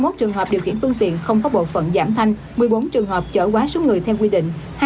hai mươi một trường hợp điều khiển phương tiện không có bộ phận giảm thanh một mươi bốn trường hợp chở quá số người theo quy định